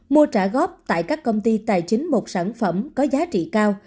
mua trả góp tại các công ty tài chính một sản phẩm có giá trị cao